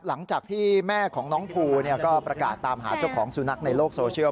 หลังจากที่แม่ของน้องภูก็ประกาศตามหาเจ้าของสุนัขในโลกโซเชียล